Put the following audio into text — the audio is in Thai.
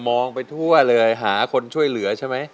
มองไปทั่วเลยหาคนช่วยเหลือใช่ไหม